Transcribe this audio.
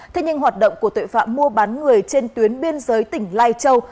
thế nhưng hoạt động của tội phạm mua bán người trên tuyến biên giới tỉnh lai châu